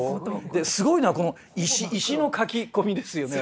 ですごいのはこの石の描き込みですよね。